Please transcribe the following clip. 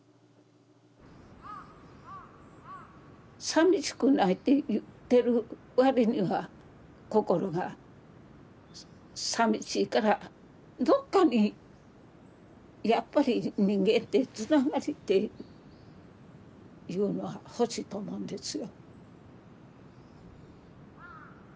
さみしくないって言ってるわりには心がさみしいからどっかにやっぱり人間ってつながりっていうもの欲しいと思うんです。